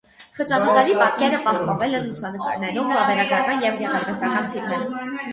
Խճանկարի պատկերը պահպանվել է լուսանկարներում, վավերագրական և գեղարվեստական ֆիլմերում։